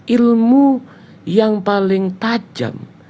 ilmu yang paling tajam